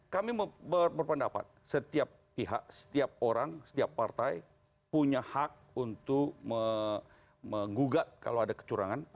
kami berpendapat setiap pihak setiap orang setiap partai punya hak untuk menggugat kalau ada kecurangan